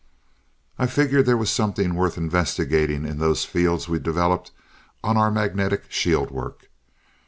"I figured there was something worth investigating in those fields we developed on our magnetic shield work.